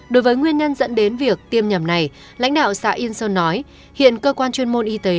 đối với nguyên nhân dẫn đến việc tiêm nhầm này lãnh đạo xã yên sơn nói hiện cơ quan chuyên môn y tế